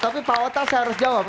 tapi pak otak saya harus jawab